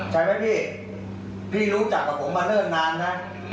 ใช่ไหมพี่พี่รู้จักกับผมมาเนิ่นนานนะ